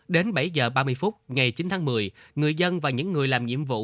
đến bảy h ba mươi phút ngày chín tháng một mươi người dân và những người làm nhiệm vụ